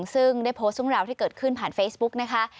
ซึ่งได้โพสต์เรื่องราวที่เกิดขึ้นผ่านเฟซบุ๊กนะคะ